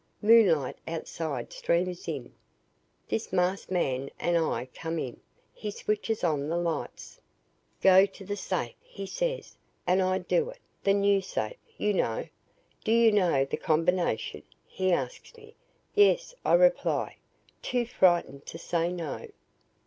Moonlight outside streams in. This masked man and I come in. He switches on the lights. "'Go to the safe,' he says, and I do it, the new safe, you know. 'Do you know the combination?' he asks me. 'Yes,' I reply, too frightened to say no.